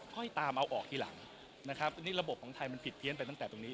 ก็ให้ตามเอาออกทีหลังระบบของไทยมันผิดเพี้ยนไปตั้งแต่ตรงนี้